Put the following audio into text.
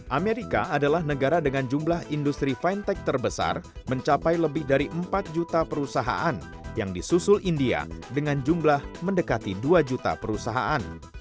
amerika adalah negara dengan jumlah industri fintech terbesar mencapai lebih dari empat juta perusahaan yang disusul india dengan jumlah mendekati dua juta perusahaan